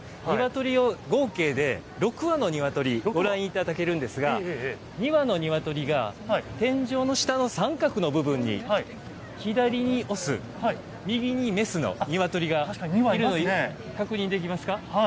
合計で６羽の鶏をご覧いただけるんですが２羽の鶏が天井の下の三角の部分に左にオス、右にメスの鶏がいるのが確認できますか。